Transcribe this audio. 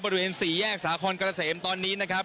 บริเวณสี่แยกสาคอนเกษมตอนนี้นะครับ